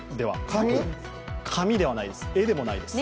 紙ではないです